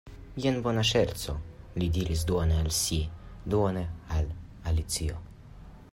"Jen bona ŝerco," li diris, duone al si, duone al Alicio.